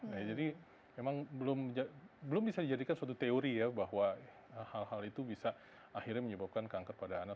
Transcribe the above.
nah jadi memang belum bisa dijadikan suatu teori ya bahwa hal hal itu bisa akhirnya menyebabkan kanker pada anak